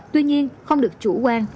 tuy nhiên không được chủ quan